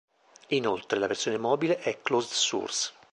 Inoltre la versione mobile è closed source.